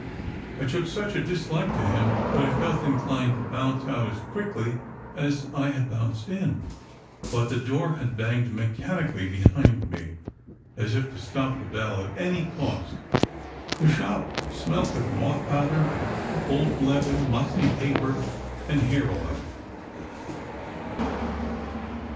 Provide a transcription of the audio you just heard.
I took such a dislike to him that I felt inclined to bounce out as quickly as I had bounced in, but the door had banged mechanically behind me, as if to stop the bell at any cost. The shop smelt of moth powder, old leather, musty paper, and hair oil.